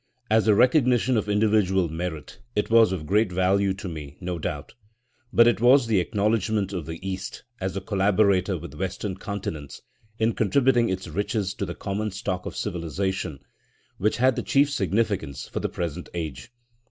As a recognition of individual merit it was of great value to me, no doubt; but it was the acknowledgment of the East as a collaborator with the Western continents, in contributing its riches to the common stock of civilisation, which had the chief significance for the present age.